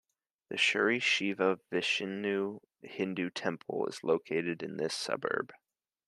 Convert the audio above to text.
The Shri Shiva Vishnu Hindu Temple is located in this suburb.